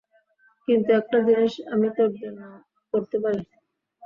কিন্তু একটা জিনিস আমি তোর জন্য করতে পারি।